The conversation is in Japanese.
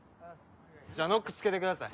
じゃあノックつけてください